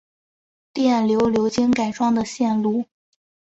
电流流经改装的线路